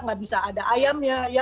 nggak bisa ada ayamnya